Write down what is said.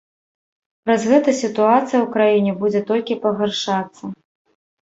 Праз гэта сітуацыя ў краіне будзе толькі пагаршацца.